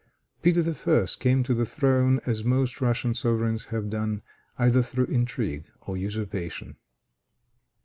Peter I. came to the throne, as most Russian sovereigns have done, either through intrigue or usurpation.